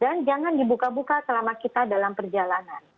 dan jangan dibuka buka selama kita dalam perjalanan